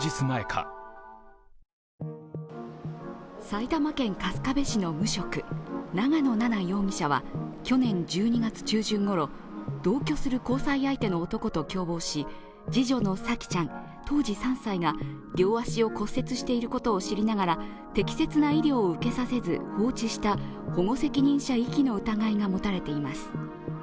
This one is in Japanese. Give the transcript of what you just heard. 埼玉県春日部市の無職、長野奈々容疑者は、去年１２月中旬ごろ、同居する交際相手の男と共謀し、次女の沙季ちゃん当時３歳が両足を骨折していることを知りながら適切な医療を受けさせず放置した保護責任者遺棄の疑いが持たれています。